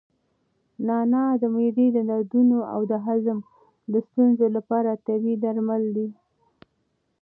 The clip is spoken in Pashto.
نعناع د معدې د دردونو او د هضم د ستونزو لپاره طبیعي درمل دي.